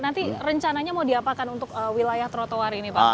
nanti rencananya mau diapakan untuk wilayah trotoar ini pak